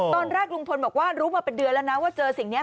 ตอนแรกลุงพลบอกว่ารู้มาเป็นเดือนแล้วนะว่าเจอสิ่งนี้